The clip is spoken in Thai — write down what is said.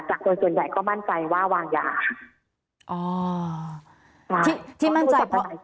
จากคนส่วนใหญ่ก็มั่นใจว่าวางยา